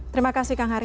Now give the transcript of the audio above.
terima kasih kang hari